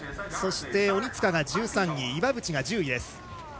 そして、鬼塚が１３位岩渕が１０位。